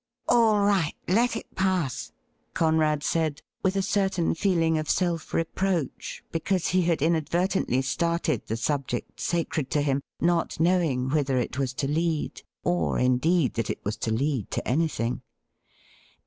' All right ; let it pass,' Conrad said, with a certain feeling of self reproach because he had inadvertently started the subject sacred to him, not knowing whither it was to lead, or, indeed, that it was to lead to anything.